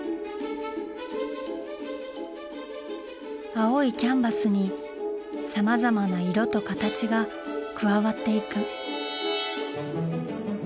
青いキャンバスにさまざまな色と形が加わっていく。